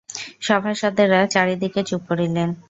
সভাসদেরা চারি দিকে চুপ করিলেন।